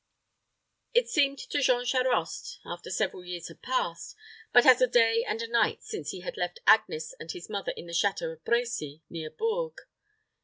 It seemed to Jean Charost after several years had passed but as a day and a night since he had left Agnes and his mother in the château of Brecy, near Bourges.